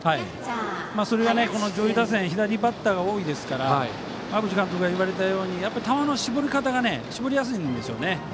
それは、この上位打線左バッターが多いですから馬淵監督が言われたように球の絞り方が絞りやすいんです。